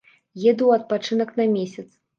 Еду ў адпачынак на месяц.